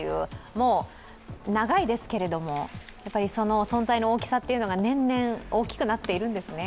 もう長いですけれども、存在の大きさというのが年々、大きくなっているんですね。